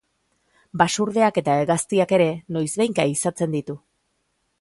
Basurdeak eta hegaztiak ere noizbehinka ehizatzen ditu.